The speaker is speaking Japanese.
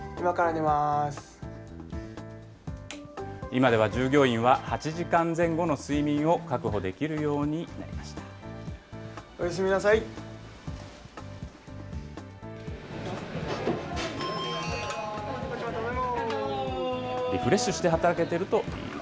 今では従業員は８時間前後の睡眠を確保できるようになりましおやすみなさい。